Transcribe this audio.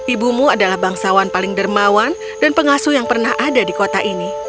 ibumu adalah bangsawan paling dermawan dan pengasuh yang pernah ada di kota ini